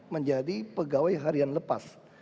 menjadi pegawai harian lepas